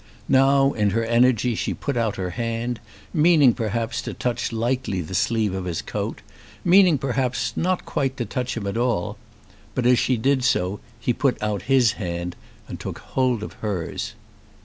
Now in her energy she put out her hand, meaning perhaps to touch lightly the sleeve of his coat, meaning perhaps not quite to touch him at all. But as she did so he put out his hand and took hold of hers.